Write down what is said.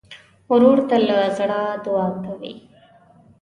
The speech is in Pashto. ورور ته له زړه دعا کوې.